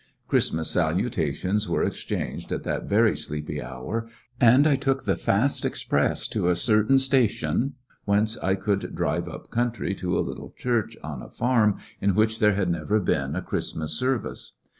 Christmas salutations were ex changed at that very sleepy hour, and I took the fast express to a certain station whence I could drive up country to a little church on a farm in which there had never been a Christ mas service.